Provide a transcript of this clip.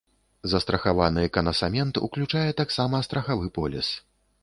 Застрахаваны канасамент уключае таксама страхавы поліс.